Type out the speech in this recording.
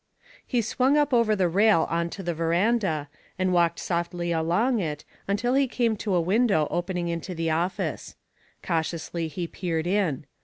He swung up over the rail on to the veranda, and walked softly along it until he came to a window opening into the office. Cautiously he peered in.